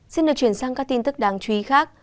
xin được chuyển sang các tin tức đáng chú ý khác